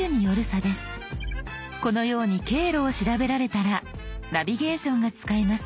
このように経路を調べられたらナビゲーションが使えます。